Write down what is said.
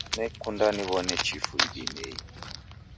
Nekunda niwo'ne chifu idimei.